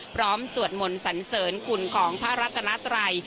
สวดมนต์สันเสริญคุณของพระรัตนาตรัย